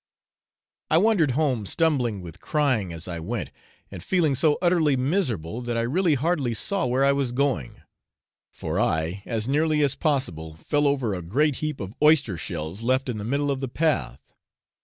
I wandered home, stumbling with crying as I went, and feeling so utterly miserable that I really hardly saw where I was going, for I as nearly as possible fell over a great heap of oyster shells left in the middle of the path.